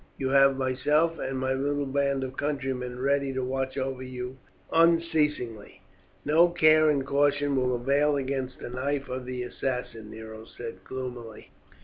You have myself and my little band of countrymen ready to watch over you unceasingly." "No care and caution will avail against the knife of the assassin," Nero said gloomily.